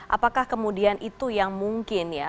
apakah kemudian itu yang mungkin ya